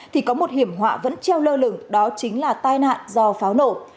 thì có một hiểm họa vẫn treo lơ lửng đó chính là tai nạn do pháo nổ